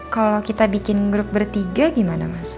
kalau kita bikin grup bertiga gimana mas